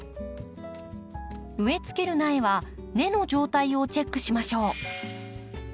植えつける苗は根の状態をチェックしましょう。